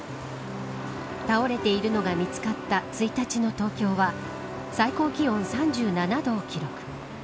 倒れているのが見つかった１日の東京は最高気温３７度を記録。